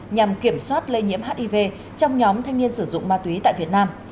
nhằm kiểm soát lây nhiễm hiv trong nhóm thanh niên sử dụng ma túy tại việt nam